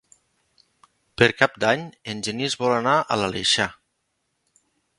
Per Cap d'Any en Genís vol anar a l'Aleixar.